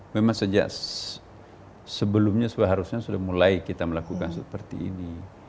memang sejak sebelumnya seharusnya sudah mulai kita melakukan seperti ini